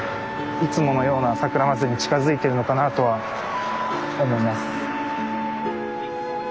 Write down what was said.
いつものようなさくらまつりに近づいてるのかなとは思います。